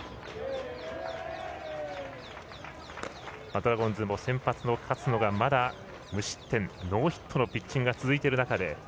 ドラゴンズも先発の勝野がまだ無失点ノーヒットのピッチングが続いている中で。